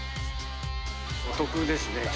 お得ですね。